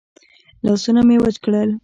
لاسونه مې وچ کړل.